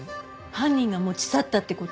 犯人が持ち去ったって事？